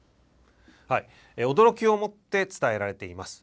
驚きをもって伝えられています。